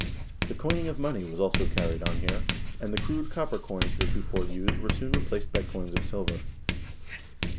The coining of money was also carried on here, and the crude copper coins heretofore used were soon replaced by coins of silver.